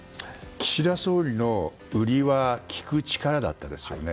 岸田総理の売りは聞く力だったんですよね。